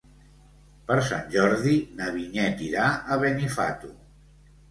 Per Sant Jordi na Vinyet irà a Benifato.